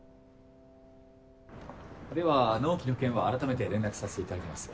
では納期の件はあらためて連絡させていただきます。